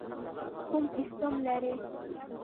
کوم سیسټم لرئ؟